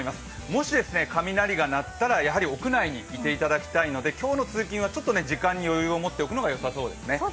もし雷が鳴ったら、やはり屋内にいていただきたいので今日の通勤はちょっと時間に余裕を持っておくのがよさそうですね。